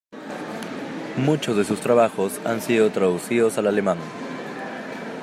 Muchos de sus trabajos han sido traducidos al alemán.